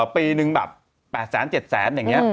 ปีหนึ่งแบบ๘แสน๗แสนอย่างนี้